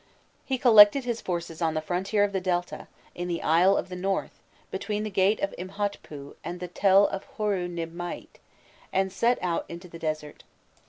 He collected his forces on the frontier of the Delta, in the "Isle of the North," between the "Gate of Imhotpû" and the "Tell of Horû nib mâît," and set out into the desert.